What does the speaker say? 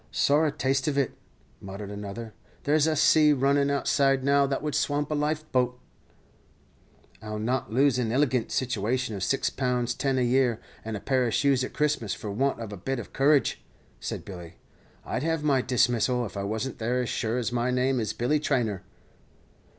"Sorra taste of it," muttered another; "there's a sea runnin' outside now that would swamp a life boat." "I'll not lose an illigant situation of six pounds ten a year, and a pair of shoes at Christmas, for want of a bit of courage," said Billy; "I'd have my dismissal if I wasn't there as sure as my name is Billy Traynor."